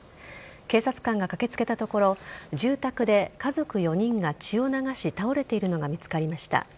警察官が駆けつけたところ住宅で家族４人が血を流し倒れているのが見つかりました。